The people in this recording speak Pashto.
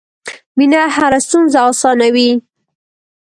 مینه هره ستونزه اسانوي.